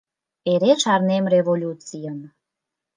— Эре шарнем Революцийым...